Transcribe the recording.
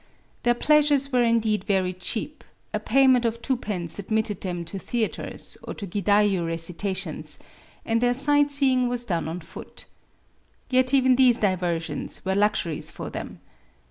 Their pleasures were indeed very cheap : a payment of twopence admitted them to theatres or to gUayU'Ttcit^nons ; and their sight seeing was done on foot. Yet even these diversions were luxuries for them.